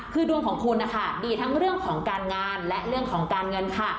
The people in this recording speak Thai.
คือดวงของคุณนะคะดีทั้งเรื่องของการงานและเรื่องของการเงินค่ะ